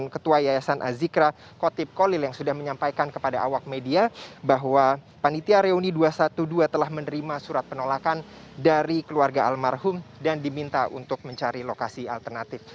ketua yayasan azikra kotip kolil yang sudah menyampaikan kepada awak media bahwa panitia reuni dua ratus dua belas telah menerima surat penolakan dari keluarga almarhum dan diminta untuk mencari lokasi alternatif